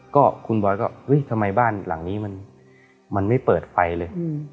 ก็คุณบอสก็อุ๊ยทำไมบ้านหลังนี้มันมันไม่เปิดไฟเลยอืม